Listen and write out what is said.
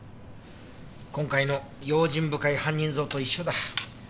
今回の用心深い犯人像と一緒だ。